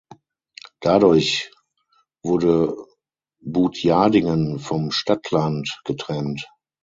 Dadurch wurde Butjadingen vom Stadland getrennt.